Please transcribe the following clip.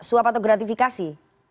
suap atau gratifikasi